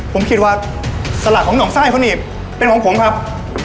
ผมคิดว่าสลักของห่องไส้เขานี่เป็นของผมครับ